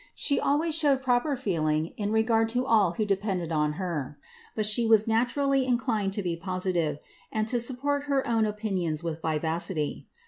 She always showed proper feeling in regard to all who depended on her; but she was naturally in clined to be positive, and to support her own opinions with vivacity.